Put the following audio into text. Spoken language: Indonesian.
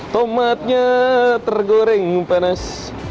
tomatnya tergoreng panas